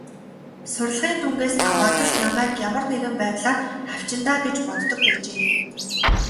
Сурлагын дүнгээс аваад л намайг ямар нэг талаар хавчина даа гэж боддог байжээ.